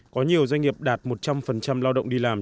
có nhiều doanh nghiệp đạt một trăm linh lao động đi làm